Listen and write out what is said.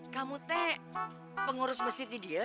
kamu teh pengurus mesjid di mana